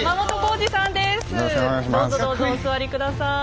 どうぞどうぞお座り下さい。